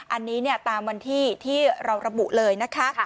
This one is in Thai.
อันนี้ตามวันที่ที่เราระบุเลยนะคะ